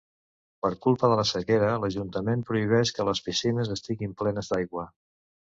Per culpa de la sequera, l’ajuntament prohibeix que les piscines estiguin plenes d’aigua.